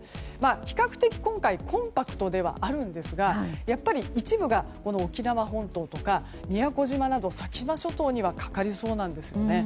比較的、今回コンパクトではあるんですが一部が沖縄本島とか宮古島など先島諸島にはかかりそうなんですよね。